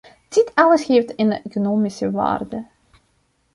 Dit alles heeft een economische waarde.